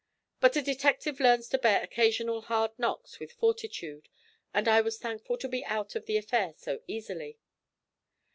But a detective learns to bear occasional hard knocks with fortitude, and I was thankful to be out of the affair so easily.